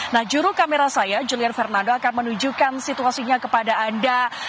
nah juru kamera saya julian fernando akan menunjukkan situasinya kepada anda